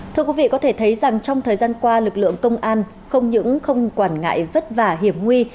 thưa quý vị có thể thấy rằng trong thời gian qua lực lượng công an không những không quản ngại vất vả hiểm nguy